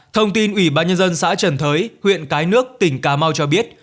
thông tin ủy ban nhân dân xã trần thới huyện cái nước tỉnh cà mau cho biết